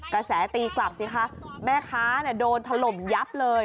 กระแสตีกลับสิคะแม่ค้าโดนถล่มยับเลย